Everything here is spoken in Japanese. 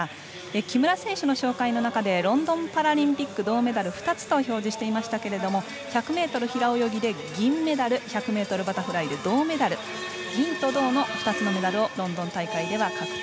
木村選手の紹介の中でロンドンパラリンピック銅メダル２つと表示していましたけれども１００ｍ平泳ぎで銀メダル１００ｍバタフライで銅メダル銀と銅の２つのメダルをロンドン大会では獲得。